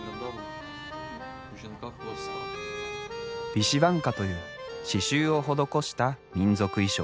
ヴィシヴァンカという刺しゅうを施した民族衣装。